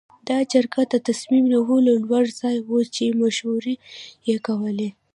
دا جرګه د تصمیم نیولو لوړ ځای و چې مشورې یې کولې.